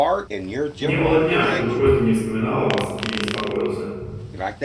Не было дня, чтобы Костя не вспоминал о вас и не беспокоился.